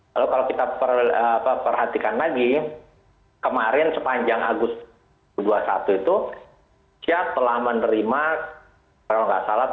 lalu kalau kita perhatikan lagi kemarin sepanjang agustus dua ribu dua puluh satu itu siap telah menerima kalau nggak salah